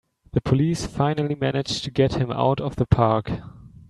The police finally manage to get him out of the park!